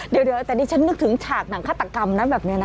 เดี๋ยวแต่ดิฉันนึกถึงฉากหนังฆาตกรรมนะแบบนี้นะ